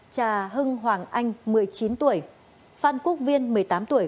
cha hưng hoàng anh một mươi chín tuổi phan quốc viên một mươi tám tuổi